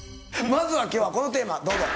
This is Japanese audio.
まずは今日はこのテーマどうぞ。